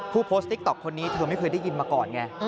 ผู้โพสต์ติ๊กต๊อกคนนี้เธอไม่เคยได้ยินมาก่อนไง